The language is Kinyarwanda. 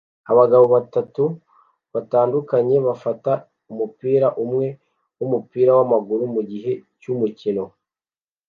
Abagabo batatu batandukanye bafata umupira umwe wumupira wamaguru mugihe cyumukino